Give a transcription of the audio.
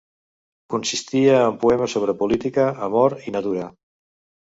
Consistia en poemes sobre política, amor i natura.